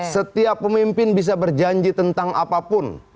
setiap pemimpin bisa berjanji tentang apapun